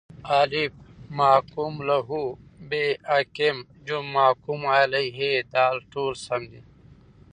الف: محکوم له ب: حاکم ج: محکوم علیه د: ټوله سم دي